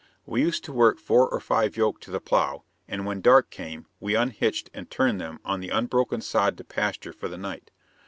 We used to work four or five yoke to the plow, and when dark came we unhitched and turned them on the unbroken sod to pasture for the night.